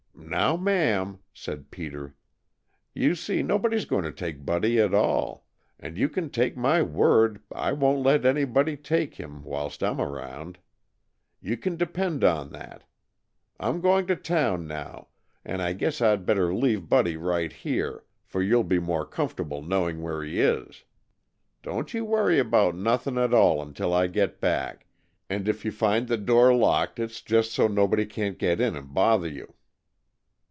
"Now, ma'am," said Peter, "you see nobody's going to take Buddy at all, and you can take my word I won't let anybody take him whilst I'm around. You can depend on that, I'm going to town, now, and I guess I'd better leave Buddy right here, for you'll be more comfortable knowing where he is. Don't you worry about nothing at all until I get back, and if you find the door locked it's just so nobody can't get in and bother you."